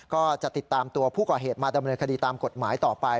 ก็จะติดตามตัวผู้ก่อเหตุมาดำเนินคดีตามกฎหมายต่อไป